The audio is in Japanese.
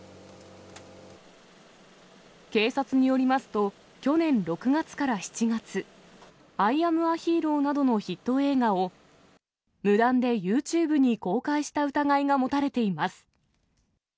警察によりますと、去年６月から７月、アイアムアヒーローなどのヒット映画を、無断でユーチューブに公開した疑いが持たれています。